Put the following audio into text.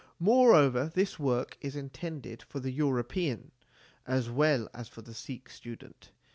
Moreover, this work is intended for the European as well as for the Sikh student.